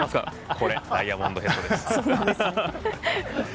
これダイヤモンドヘッドです。